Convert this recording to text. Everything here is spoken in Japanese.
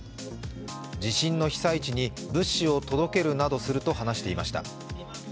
地震の被災地に物資を届けるなどすると話していました。